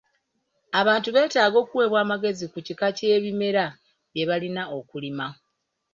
Abantu beetaaga okuweebwa amagezi ku kika ky'ebimera bye balina okulima.